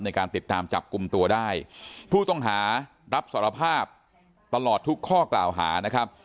ในการติดตามจับกลุ่มตัวได้ผู้ต้องหารับสารภาพตลอดทุกข้อกล่าวหานะครับ